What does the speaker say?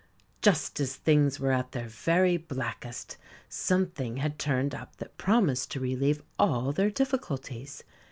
Just as things were at their very blackest, something had turned up that promised to relieve all their difficulties.